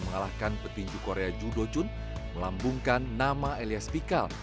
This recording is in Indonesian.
mengalahkan petinju korea judo chun melambungkan nama elias pikal